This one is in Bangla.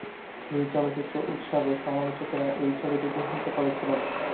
এই চলচ্চিত্র উৎসবে সমালোচকেরা এই ছবিটির প্রশংসা করেছিলেন।